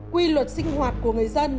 quy luật sinh hoạt của người dân